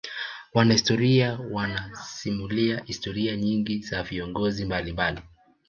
wanahistoria wanasimulia historia nyingi za viongozi mbalimbali